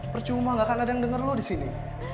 percuma gak akan ada yang denger lo disini